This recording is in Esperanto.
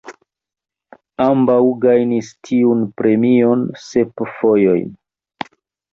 Ambaŭ gajnis tiun premion sep fojojn.